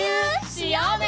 しようね！